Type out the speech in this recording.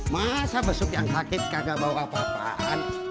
masa besuk yang sakit kagak bawa apa apaan